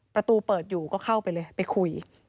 ประตูเปิดอยู่ก็เข้าไปเลยไปคุย